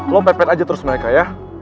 lo pepet aja terus mereka ya